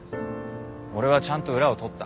俺はちゃんと裏をとった。